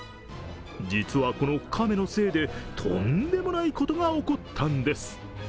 実はこの亀のせいでとんでもないことが起こったんです。